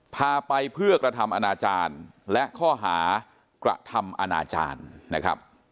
พาไปเพื่อกระทำอนาจารย์และข้อหากระทำอนาจารย์นะครับ